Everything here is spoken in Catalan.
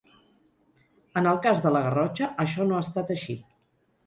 En el cas de la Garrotxa això no ha estat així.